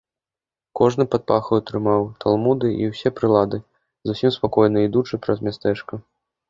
Кожны пад пахаю трымаў талмуды і ўсе прылады, зусім спакойна ідучы праз мястэчка.